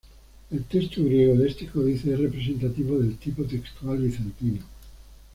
El texto griego de este códice es representativo del tipo textual bizantino.